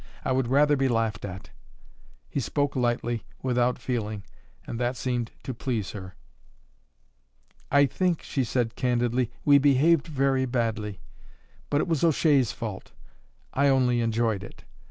I would rather be laughed at." He spoke lightly, without feeling, and that seemed to please her. "I think," she said candidly, "we behaved very badly; but it was O'Shea's fault I only enjoyed it.